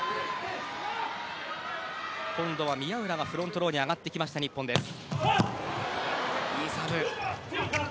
今度は宮浦がフロントローに上がってきました、日本です。